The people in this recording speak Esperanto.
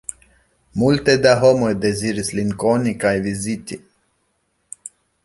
Multe da homoj deziris lin koni kaj viziti.